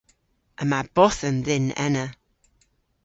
Yma bothen dhyn ena.